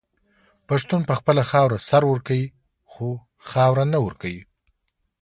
پښتون په خپله خاوره سر ورکوي خو خاوره نه ورکوي.